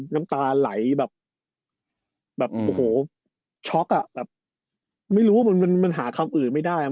น้ำตาไหลแบบโอ้โหช็อกอ่ะแบบไม่รู้ว่ามันหาคำอื่นไม่ได้